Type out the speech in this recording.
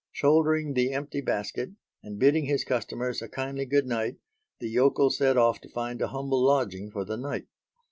Shouldering the empty basket, and bidding his customers a kindly goodnight, the yokel set off to find a humble lodging for the night.